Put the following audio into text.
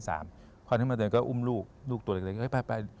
พอขึ้นมาเติมก็อุ้มลูกลูกตัวเล็กไป